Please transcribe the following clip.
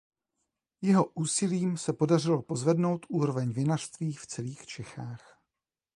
Jeho úsilím se podařilo pozvednout úroveň vinařství v celých Čechách.